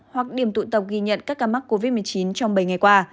hoặc điểm tụ tập ghi nhận các ca mắc covid một mươi chín trong bảy ngày qua